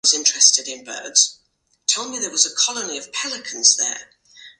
Al Bundy had a highly positive reception.